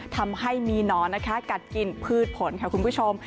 ทำให้มีหนอนนะคะกัดกินพืชผลค่ะคุณผู้ชม